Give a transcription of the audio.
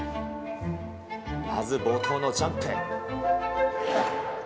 まず冒頭のジャンプ。